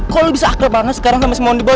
kok lu bisa akrab banget sekarang sama si moni boy